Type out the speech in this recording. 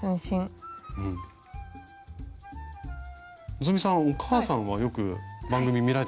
希さんお母さんはよく番組見られてるんですか？